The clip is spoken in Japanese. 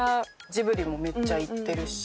ジブリもめっちゃいってるし。